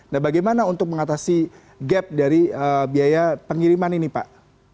nah bagaimana untuk mengatasi gap dari biaya pengiriman ini pak